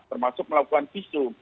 termasuk melakukan visum